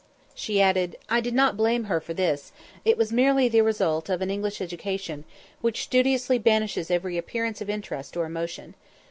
She added, "I did not blame her for this; it was merely the result of an English education, which studiously banishes every appearance of interest or emotion.